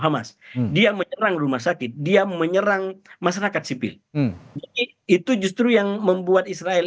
hamas dia menyerang rumah sakit dia menyerang masyarakat sipil jadi itu justru yang membuat israel